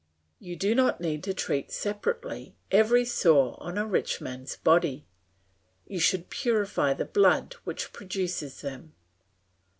You do not need to treat separately every sore on a rich man's body; you should purify the blood which produces them.